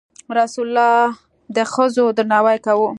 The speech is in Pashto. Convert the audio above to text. رسول الله د ښځو درناوی کاوه.